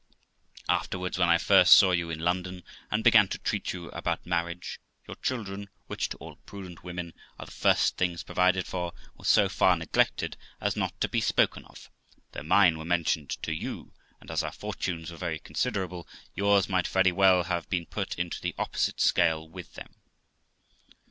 Afterwards, when I first saw you in London, and began to treat with you about marriage, your children, which, to all prudent women, are the first things provided for, were so far neglected as not to be spoken of, though mine were mentioned to you; and as our fortunes were very considerable, yours might very well have been put into the opposite scale with them.